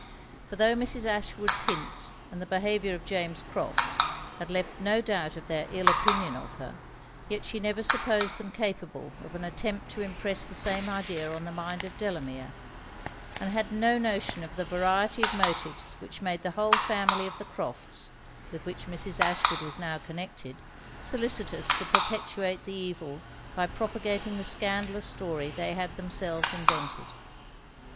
For tho' Mrs. Ashwood's hints, and the behaviour of James Crofts, had left no doubt of their ill opinion of her, yet she never supposed them capable of an attempt to impress the same idea on the mind of Delamere; and had no notion of the variety of motives which made the whole family of the Crofts, with which Mrs. Ashwood was now connected, solicitous to perpetuate the evil by propagating the scandalous story they had themselves invented.